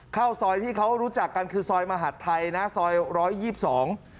เข้าซอยที่เขารู้จักกันคือซอยมหัฒน์ไทยซอยร้อยยิบสอง